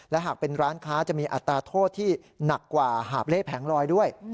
และหากเป็นร้านค้าจะมีอัตราโทษที่หนักกว่าหาบเล่แผงลอยด้วย